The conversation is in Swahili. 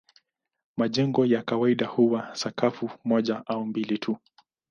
Majengo ya kawaida huwa sakafu moja au mbili tu.